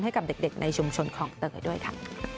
ให้กับเด็กในชุมชนคลองเตยด้วยค่ะ